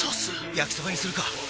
焼きそばにするか！